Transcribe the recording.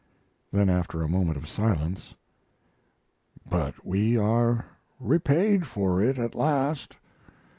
Then, after a moment of silence: "But we are repaid for it at last.